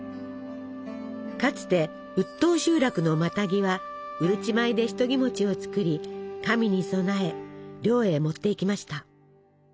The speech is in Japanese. かつて打当集落のマタギはうるち米でシトギを作り神に供え猟へ持っていきました。